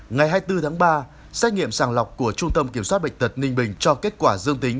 ngày hai mươi bốn tháng ba xét nghiệm sàng lọc của trung tâm kiểm soát bệnh tật ninh bình cho kết quả dương tính